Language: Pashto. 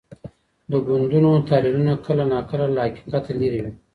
د ګوندونو تحلیلونه کله ناکله له حقیقته لرې وي.